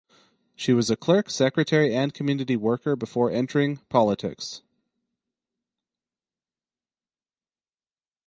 She was a clerk, secretary, and community worker before entering politics.